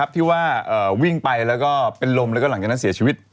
ที่ว่าวิ่งไปแล้วก็เป็นลมแล้วก็หลังจากนั้นเสียชีวิต